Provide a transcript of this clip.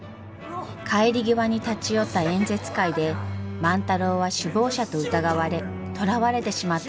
帰り際に立ち寄った演説会で万太郎は首謀者と疑われ捕らわれてしまったのです。